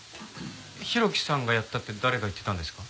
浩喜さんがやったって誰が言ってたんですか？